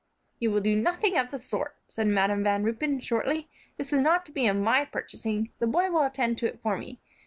"You will do nothing of the sort," said Madam Van Ruypen, shortly; "this is not to be of my purchasing; this boy will attend to it for me.